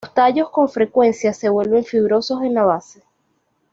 Los tallos con frecuencia se vuelven fibrosos en la base.